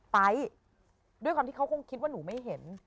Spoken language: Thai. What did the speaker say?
ไป๊ด้วยความที่เขาคงคิดว่าหนูไม่เห็น